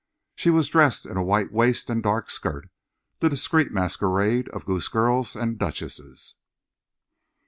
She was dressed in a white waist and dark skirt—that discreet masquerade of goose girl and duchess.